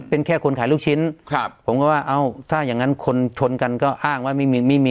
เป็นแค่คนขายลูกชิ้นครับผมก็ว่าเอ้าถ้าอย่างงั้นคนชนกันก็อ้างว่าไม่มีไม่มี